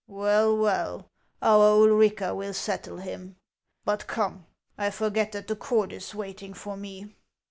" Well, well, our Ulrica will settle him. But come, I forget that the court is waiting for me."